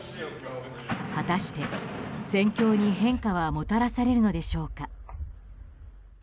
果たして、戦況に変化はもたらされるのでしょうか。